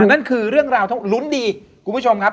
นั่นคือเรื่องราวต้องลุ้นดีคุณผู้ชมครับ